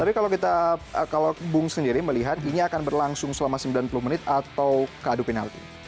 tapi kalau kita kalau bung sendiri melihat ini akan berlangsung selama sembilan puluh menit atau kadu penalti